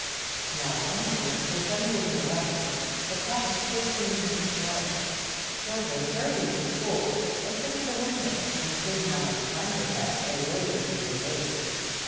Now one morning, for some reason or other, the clock was fifteen minutes slow. Children, hurrying to school, looked in at the window, and, seeing how much time they had they loitered and were late.